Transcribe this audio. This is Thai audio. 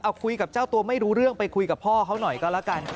เอาคุยกับเจ้าตัวไม่รู้เรื่องไปคุยกับพ่อเขาหน่อยก็แล้วกัน